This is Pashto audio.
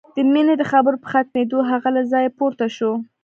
د مينې د خبرو په ختمېدو هغه له ځايه پورته شو.